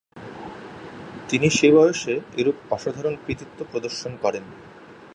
তিনি সে বয়সে এরূপ অসাধারণ কৃতিত্ব প্রদর্শন করেন।